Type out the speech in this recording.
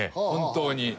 本当に。